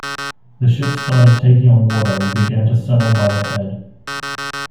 The ship started taking on water and began to settle by the head.